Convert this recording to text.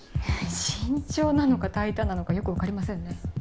慎重なのか大胆なのかよく分かりませんね。